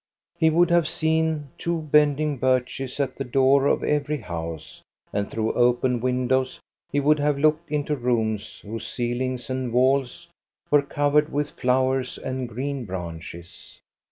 He would have seen two bending birches at the door of every house, and through open windows he would have looked into rooms whose ceilings and walls were covered with flowers and green branches.